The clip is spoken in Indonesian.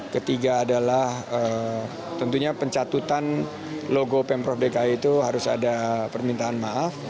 ketiga adalah tentunya pencatutan logo pemprov dki itu harus ada permintaan maaf